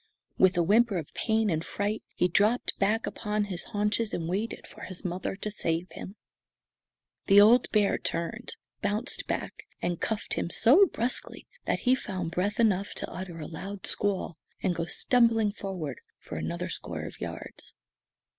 With a whimper of pain and fright he dropped back upon his haunches and waited for his mother to save him. The old bear turned, bounced back, and cuffed him so bruskly that he found breath enough to utter a loud squall and go stumbling forward for another score of yards.